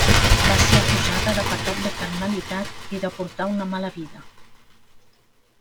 Va ser acusada de pecat de carnalitat i de portar una mala vida.